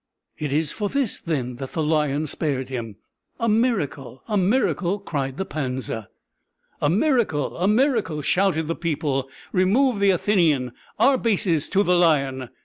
"It is for this, then, that the lion spared him, A miracle! a miracle!" cried Pansa. "A miracle! a miracle!" shouted the people; "remove the Athenian Arbaces to the lion."